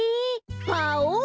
パオン！